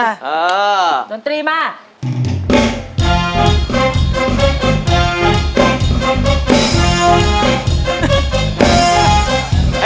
น้องตรีมา